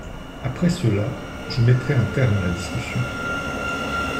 Après cela, je mettrai un terme à la discussion.